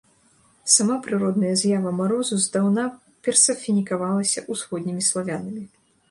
Сама прыродная з'ява марозу здаўна персаніфікавалася ўсходнімі славянамі.